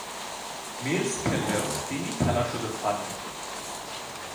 Mills খেললেও তিনি খেলার সুযোগ পাননি।